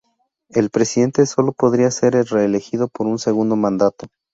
El Presidente solo podrá ser reelegido para un segundo mandato.